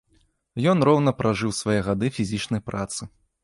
Ён роўна пражыў свае гады фізічнай працы.